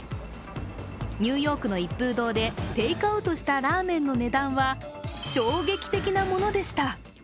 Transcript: ニューヨークの一風堂でテイクアウトしたラーメンの値段は、衝撃的なものでした。